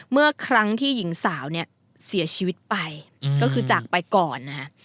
เมื่อครั้งที่หญิงสาวเนี่ยเสียชีวิตไปก็คือจากไปก่อนนะฮะ